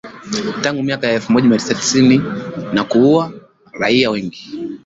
Tangu miaka ya elfu moja mia tisa tisini na kuua raia wengi.